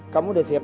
kamu udah siap iq